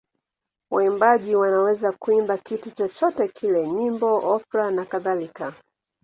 Waimbaji wanaweza kuimba kitu chochote kile: nyimbo, opera nakadhalika.